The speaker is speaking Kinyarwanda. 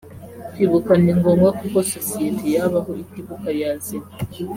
Kwibuka ni ngombwa kuko sosiyete yabaho itibuka yazima